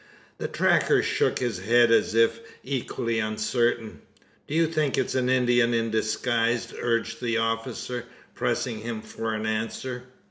The tracker shook his head, as if equally uncertain. "Do you think it's an Indian in disguise?" urged the officer, pressing him for an answer.